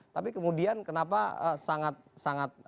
tapi kemudian kenapa sangat